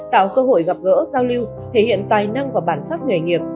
tạo cơ hội gặp gỡ giao lưu thể hiện tài năng và bản sắc nghề nghiệp